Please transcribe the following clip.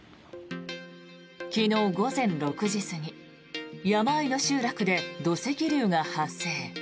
昨日午前６時過ぎ山あいの集落で土石流が発生。